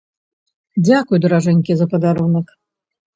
Дзякуй, даражэнькі, за падарунак!